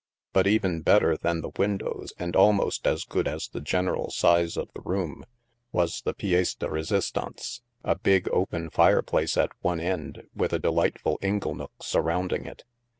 But, even better than the windows and almost as good as the general size of the room, was the pi^ce de resistance — a big open fireplace at one end, with a delightful inglenook surrounding it.